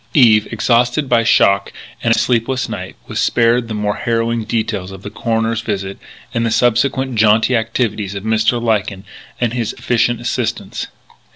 Eve, exhausted by shock and a sleepless night, was spared the more harrowing details of the coroner's visit and the subsequent jaunty activities of Mr. Lyken and his efficient assistants.